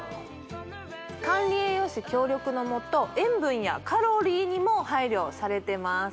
管理栄養士協力のもと塩分やカロリーにも配慮されてます